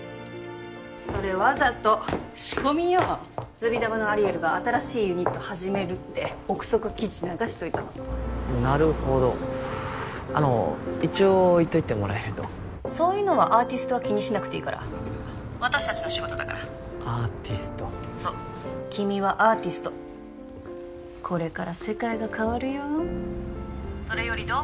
それわざと仕込みよＺＵＢＩＤＡＶＡのアリエルが新しいユニット始めるって臆測記事流しといたのなるほどあの一応言っといてもらえるとそういうのはアーティストは気にしなくていいから☎私達の仕事だからアーティストそう君はアーティストこれから世界が変わるよ☎それよりどう？